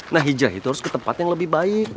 nah hijah itu harus ke tempat yang lebih baik